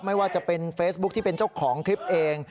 มากกว่าจะเป็นเฟซบุ๊คที่เป็นเจ้าของพิมพ์เอง